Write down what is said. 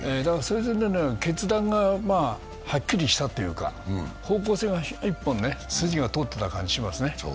決断がはっきりしたというか、方向性が一本筋が通ってた気がしますね。